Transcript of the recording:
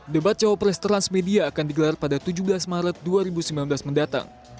debat cawapres transmedia akan digelar pada tujuh belas maret dua ribu sembilan belas mendatang